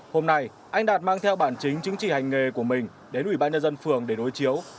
hôm nay anh đạt mang theo bản chính chứng chỉ hành nghề của mình đến ủy ban nhân dân phường để đối chiếu